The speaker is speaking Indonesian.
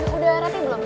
udah rati belum